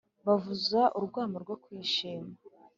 bavuza urwamo rwo kwishima